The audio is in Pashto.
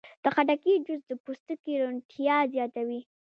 د خټکي جوس د پوستکي روڼتیا زیاتوي.